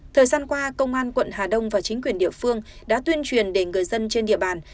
thời gian qua công an quận hà đông và chính quyền địa phương đã tuyên truyền để người dân trên địa bàn